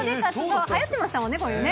はやってましたもんね、これね。